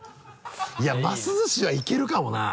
いやます寿司はいけるかもな。